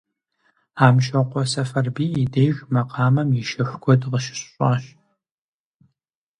Амщокъуэ Сэфарбий и деж макъамэм и щэху куэд къыщысщӀащ.